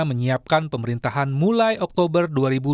menyiapkan pemerintahan mulai oktober dua ribu dua puluh